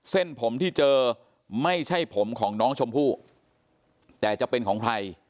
เส้นผมที่เจอไม่ใช่ผมของน้องชมพู่แต่จะเป็นของใคร